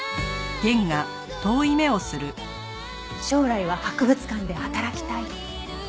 「将来は博物館で働きたい」。